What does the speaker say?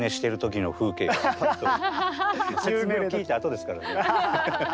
説明を聞いたあとですからね。